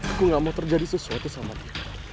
aku gak mau terjadi sesuatu sama dia